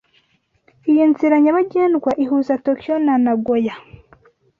Iyi nzira nyabagendwa ihuza Tokiyo na Nagoya.